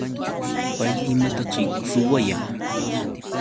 ¿Pay imataćhik ruwayan?